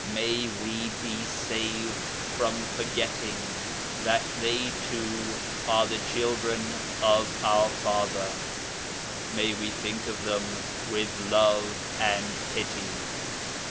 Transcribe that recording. May we be saved from forgetting that they too are the children of our Father. May we think of them with love and pity.